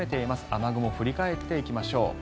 雨雲、振り返っていきましょう。